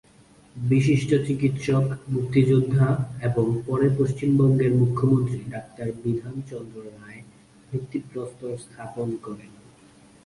বিশিষ্ট চিকিৎসক, মুক্তিযোদ্ধা এবং পরে পশ্চিমবঙ্গের মুখ্যমন্ত্রী ডাক্তার বিধান চন্দ্র রায় ভিত্তিপ্রস্তর স্থাপন করেন।